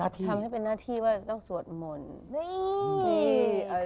ทำให้เป็นหน้าที่ว่าจะต้องสวดมนต์